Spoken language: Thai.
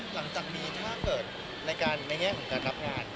หลังจากมีท่าเกิดในแห้งการรับงาน